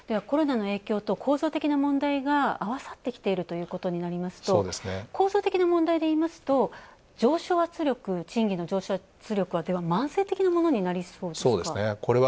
コロナの影響と構造的な問題が合わさってきているということになりますと、構造的な問題で言いますと、賃金の上昇圧力というものは慢性的なものになりそうですか？